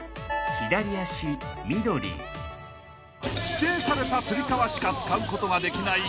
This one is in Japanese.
［指定されたつり革しか使うことができない